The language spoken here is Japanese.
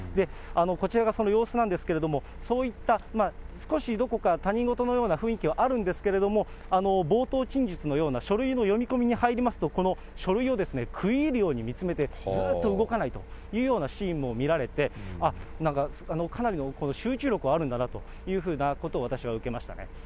こちらがその様子なんですけれども、そういった少しどこか他人事のような雰囲気はあるんですけれども、冒頭陳述のような書類の読み込みに入りますと、この書類を食い入るように見つめて、ずーっと動かないというようなシーンも見られて、あっ、かなりの集中力はあるんだなというふうなことは私は受けましたね。